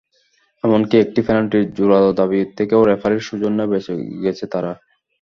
এমনকি একটি পেনাল্টির জোরাল দাবি থেকেও রেফারির সৌজন্যে বেঁচে গেছে তারা।